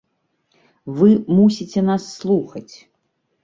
Вы мусіце нас слухаць!